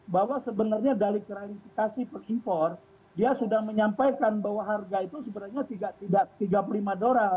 bahwa sebenarnya dari klarifikasi pengimpor dia sudah menyampaikan bahwa harga itu sebenarnya tidak tiga puluh lima dolar